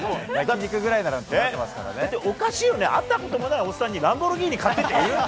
おかしいよね会ったこともないおっさんにランボルギーニ買ってっていう？